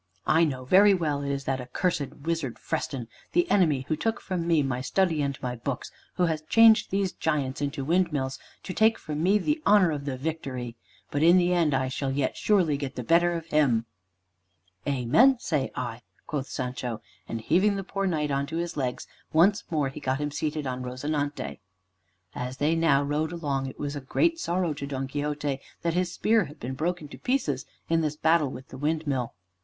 I know very well it is that accursed wizard Freston, the enemy who took from me my study and my books, who has changed these giants into windmills to take from me the honor of the victory. But in the end I shall yet surely get the better of him." "Amen! say I" quoth Sancho: and heaving the poor Knight on to his legs, once more he got him seated on "Rozinante." As they now rode along, it was a great sorrow to Don Quixote that his spear had been broken to pieces in this battle with the windmill.